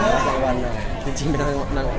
มารับรางวัลนาขีภาคศัพท์